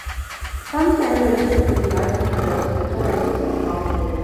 Some sinologists regard him as one of the forerunners of Mao Zedong.